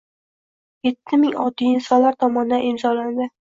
yetti ming oddiy insonlar tomonidan imzolandi.